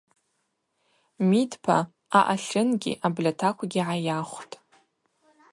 Мидпа аъатлынгьи абльатаквгьи гӏайахвтӏ.